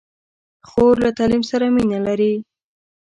خور له تعلیم سره مینه لري.